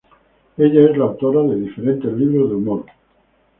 Ella es la autora de diferentes libros de humor.